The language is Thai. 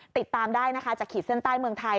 ติดตามได้นะคะจากขีดเส้นใต้เมืองไทย